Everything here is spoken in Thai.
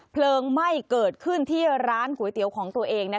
เพลิงไหม้เกิดขึ้นที่ร้านก๋วยเตี๋ยวของตัวเอง